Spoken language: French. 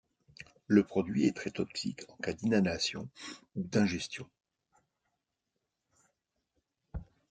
Le produit est très toxique en cas d'inhalation ou d'ingestion.